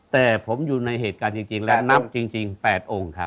แต่ผมอยู่ในเหตุการณ์จริงและนับจริง๘องค์ครับ